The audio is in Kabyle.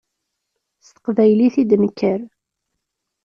S teqbaylit i d-nekker.